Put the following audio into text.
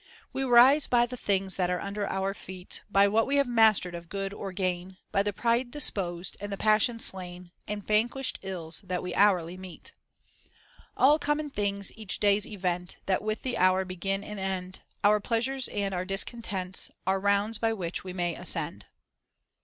" We rise by the things that are under our feet; By what we have mastered of good or gain ; By the pride deposed, and the passion slain, And the vanquished ills that we hourly meet." " All common things, each day's events, That with the hour begin and end, Our pleasures and our discontents, Are rounds by which we may ascend."